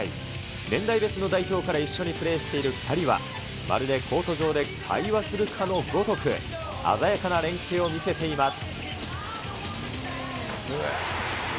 年代別の代表から一緒にプレーしている２人は、まるでコート上で会話するかのごとく、鮮やかな連係を見せています。